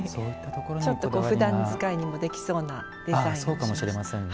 ちょっとふだん使いにもできるデザインに。